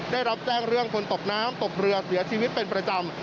ได้รับแจ้งเรื่องคนตกน้ำตกเรือเสียชีวิตเป็นประจำ